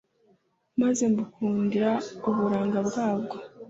maze mbukundira uburanga bwabwo.